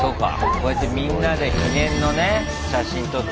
こうやってみんなで記念のね写真撮ったりしながら。